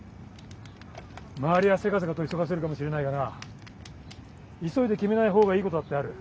周りはせかせかと急がせるかもしれないがな急いで決めない方がいいことだってある。